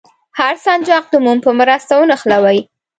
هر سنجاق د موم په مرسته ونښلوئ.